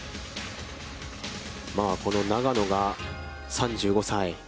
この永野が３５歳。